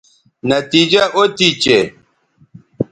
نتیجہ او تھی چہء